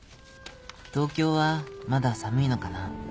東京はまだ寒いのかな？